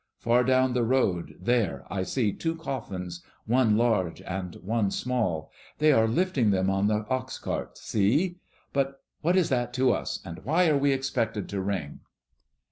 Far down the road there, I see two coffins, one large and one small. They are lifting them on the oxcart; see! But what is that to us, and why are we expected to ring?"